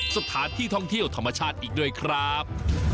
สถานที่ท่องเที่ยวธรรมชาติอีกด้วยครับ